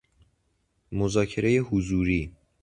مذاکره حضوری